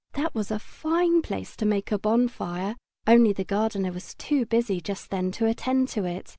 That was a fine place to make a bonfire, only the gardener was too busy just then to attend to it.